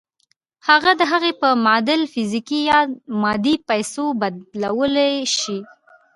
هغه د هغې په معادل فزيکي يا مادي پيسو بدلولای شئ.